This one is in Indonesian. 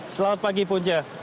selamat pagi punca